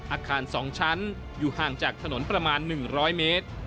อาคาร๒ชั้นอยู่ห่างจากถนนประมาณ๑๐๐เมตร